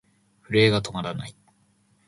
震えが止まらない。